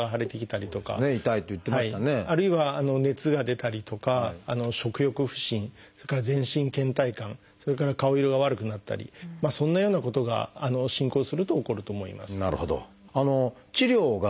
あるいは熱が出たりとか食欲不振それから全身けん怠感それから顔色が悪くなったりそんなようなことが進行すると起こると思います。